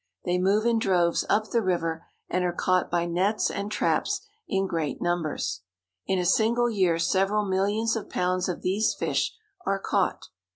They move in droves up the river, and are caught by nets and traps in great numbers. In a single year several millions of pounds of these fish are caught.